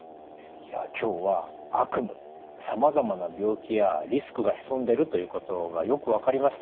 いや今日は悪夢さまざまな病気やリスクが潜んでるということがよく分かりました。